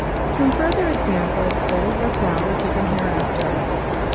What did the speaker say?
Some further examples fully worked out are given hereafter.